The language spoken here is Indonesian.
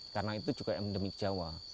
karena itu juga endemik jawa